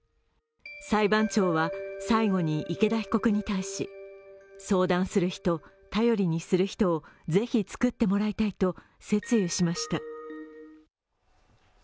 裁判長は、最後に池田被告に対し相談する人、頼りにする人をぜひ作ってもらいたいと説諭しました。